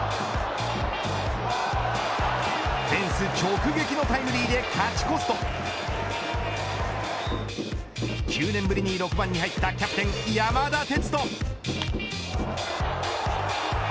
フェンス直撃のタイムリーで勝ち越すと９年ぶりに６番に入ったキャプテン、山田哲人。